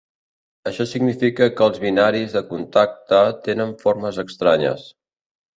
Això significa que els binaris de contacte tenen formes estranyes.